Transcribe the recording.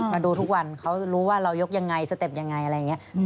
มาดูทุกวันเขารู้ว่าเรายกยังไงสเต็ปยังไงอะไรอย่างนี้